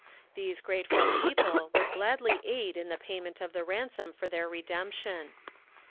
These grateful people would gladly aid in the payment of the ransom for their redemption.